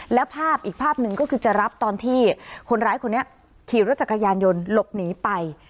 แล้วภาพอีกภาพหนึ่งก็คือจะรับตอนที่คนร้ายคนนี้ขี่รถจักรยานยนต์หลบหนีไป